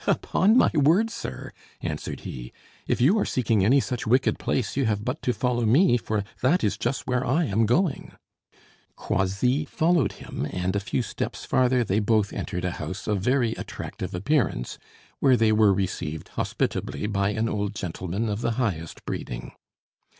"Upon my word, sir!" answered he, "if you are seeking any such wicked place you have but to follow me, for that is just where I am going." Croisilles followed him, and a few steps farther they both entered a house of very attractive appearance, where they were received hospitably by an old gentleman of the highest breeding.